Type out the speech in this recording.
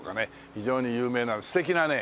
非常に有名な素敵なね